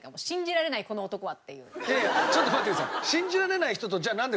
いやいやちょっと待ってください。